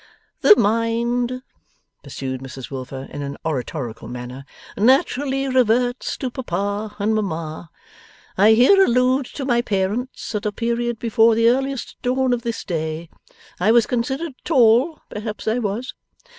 'The mind,' pursued Mrs Wilfer in an oratorical manner, 'naturally reverts to Papa and Mamma I here allude to my parents at a period before the earliest dawn of this day. I was considered tall; perhaps I was.